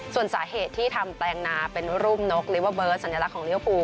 ส่วนสาเหตุที่ทำแปลงนาเป็นรูปนกลิเวอร์เบิร์ตสัญลักษณ์เลี้ยภู